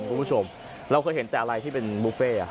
เราเคยเห็นแต่อะไรที่เป็นบุฟเฟ่